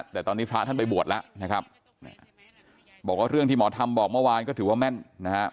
แต่ตอนนี้พระท่านไปบวชแล้วนะครับบอกว่าเรื่องที่หมอทำบอกเมื่อวานก็ถือว่าแม่นนะครับ